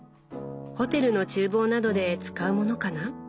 ホテルの厨房などで使うものかな？